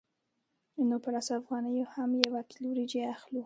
نو په لسو افغانیو هم یوه کیلو وریجې اخلو